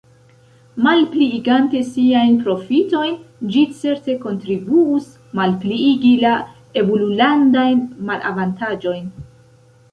Malpliigante siajn profitojn, ĝi certe kontribuus malpliigi la evolulandajn malavantaĝojn!